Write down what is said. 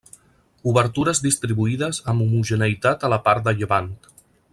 Obertures distribuïdes amb homogeneïtat a la part de llevant.